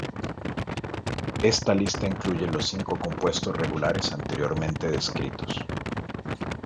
Esta lista incluye los cinco compuestos regulares anteriormente descritos.